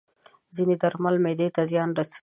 ځینې درمل معده ته زیان رسوي.